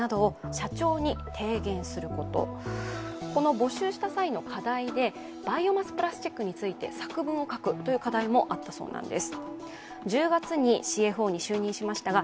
募集した際の課題で、バイオマスプラスチックについて作文を書くという課題もあったそうなんです。